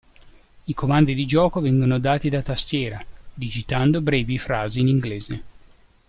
I comandi di gioco vengono dati da tastiera, digitando brevi frasi in inglese.